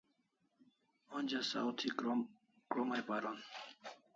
Onja saw thi krom ai paron